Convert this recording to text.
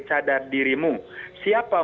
cadar dirimu siapa